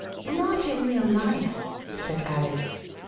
Not ia real life," said Alice.